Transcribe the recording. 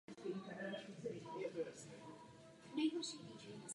Často věnuje peníze na dobročinné účely.